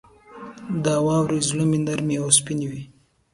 • د واورې ذرې نرمې او سپینې وي.